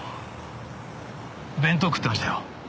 弁当食ってましたよ